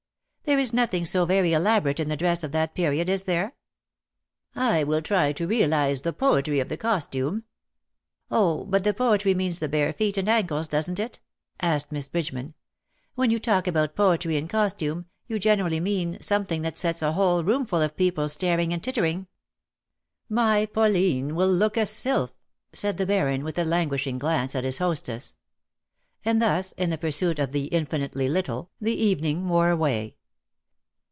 " There is nothing so very elaborate in the dress of that period, is there ?'''' I will try to realize the poetry of the costume."' " Oh, but the poetry means the bare feet and .ankles, doesn't it?" asked Miss Bridgeman. " When you talk about poetry in costume, you generally mean something that sets a whole roomful of people staring and tittering." " My Pauline will look a sylph !" said the Baron, with a languishing glance at his hostess. And thus, in the pursuit of the infinitely little, 198 the evening wore away.